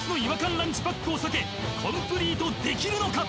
ランチパックを避けコンプリートできるのか？